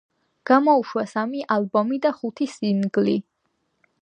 გამოუშვა სამი ალბომი და ხუთი სინგლი.